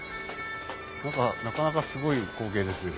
何かなかなかすごい光景ですよ。